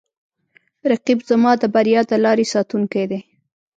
رقیب زما د بریا د لارې ساتونکی دی